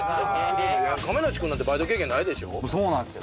亀梨君なんてバイト経験ないそうなんですよ。